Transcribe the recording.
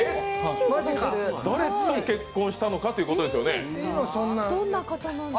誰と結婚したのかということですよね。